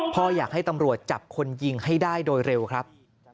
พ่ออยากให้ตำรวจจับคนยิงให้ได้โดยเร็วครับ